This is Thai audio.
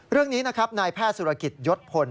เรื่องนี้นะครับนายแพทย์สุรกิจยศพล